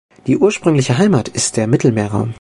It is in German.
Die ursprüngliche Heimat ist der Mittelmeerraum.